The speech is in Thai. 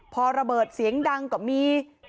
พอระเบิดเสียงดังก็มี